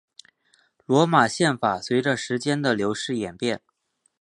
罗马宪法随着时间的流逝演变。